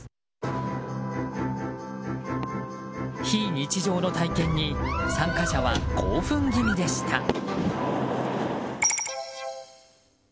非日常の体験に参加者は興奮気味でした。